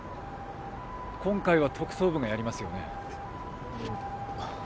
今回は特捜部がやりますよね？